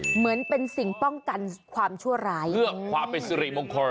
เหมือนเป็นสิ่งป้องกันความชั่วร้ายเพื่อความเป็นสิริมงคล